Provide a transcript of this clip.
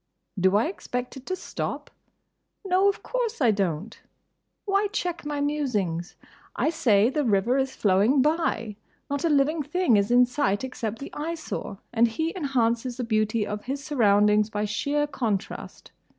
Do I expect it to stop? No, of course I don't. Why check my musings? I say, the river is flowing by. Not a living thing is in sight except the Eyesore; and he enhances the beauty of his surroundings by sheer contrast.